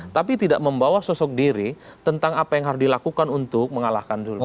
tapi tidak membawa sosok diri tentang apa yang harus dilakukan untuk mengalahkan zulkif